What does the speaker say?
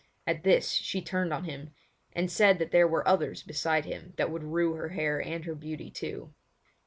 At this she turned on him, and said that there were others beside him that would rue her hair and her beauty too.